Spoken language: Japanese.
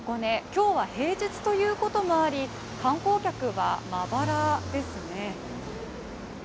今日は平日ということもあり観光客はまばらですね。